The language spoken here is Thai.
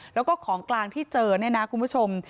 แล้วก็ของกลางที่เจอเนี่ยนะคุณผู้ชม